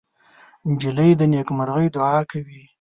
نجلۍ د نیکمرغۍ دعا کوي.